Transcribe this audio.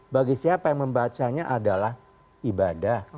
bagi siapa yang membacanya adalah ibadah